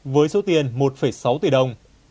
với số tiền một sáu tỷ đồng